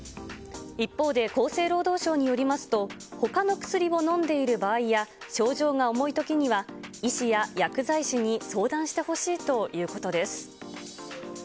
一方で厚生労働省によりますと、ほかの薬を飲んでいる場合や、症状が重いときには、医師や薬剤師に相談してほしいということです。